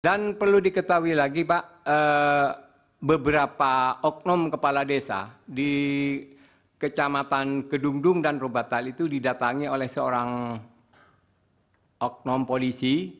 dan perlu diketahui lagi pak beberapa oknum kepala desa di kecamatan kedungdung dan robatal itu didatangi oleh seorang oknum polisi